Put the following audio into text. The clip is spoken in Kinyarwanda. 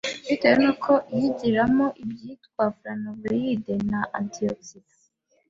bitewe n’uko yigiramo ibyitwa ‘flavonoïdes’ na ‘antioxidant’